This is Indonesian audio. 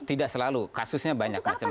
tidak selalu kasusnya banyak macam macam